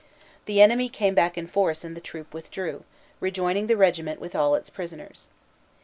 The enemy came back in force and the troop withdrew, rejoining the regiment with all its prisoners.